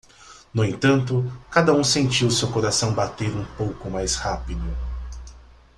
No entanto, cada um sentiu seu coração bater um pouco mais rápido.